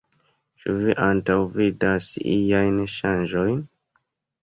Ĉu vi antaŭvidas iajn ŝanĝojn?